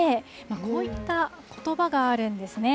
こういったことばがあるんですね。